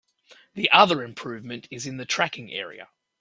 The other improvement is in the tracking area.